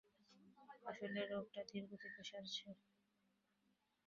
আসলে রোগটা ধীর গতিতে সারছে।